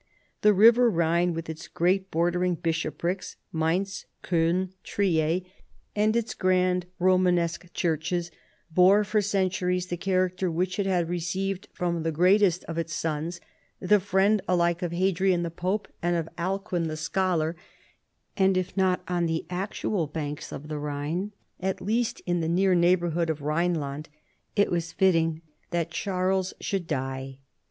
The river Rhine with its great bordering bishoprics, Mainz, Koln, Trier, and its OLD AGE. 281 grand Eomanesqne churches, bore for centuries the character which it had received from the greatest of its sons, the friend alike of Hadrian the Pope and of Alcuin the scholar : and, if not on the actual banks of the Rhine, at least in the near neighborhood of Rhine land it was fitting that Charles should die.